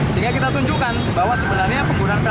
sehingga kita tunjukkan bahwa sebenarnya penggunaan penal potbrong